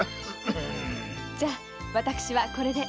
じゃ私はこれで。